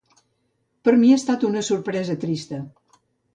Per a mi ha estat una sorpresa trista.